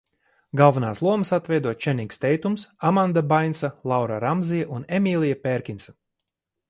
Galvenās lomas atveido Čenings Teitums, Amanda Bainsa, Laura Ramsija un Emīlija Pērkinsa.